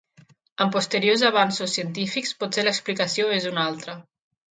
Amb posteriors avenços científics, potser l'explicació és una altra.